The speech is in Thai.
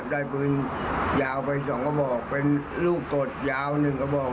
ได้ปืนยาวไป๒กระบอกเป็นลูกกดยาว๑กระบอก